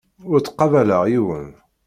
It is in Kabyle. Ur ttqabaleɣ yiwen.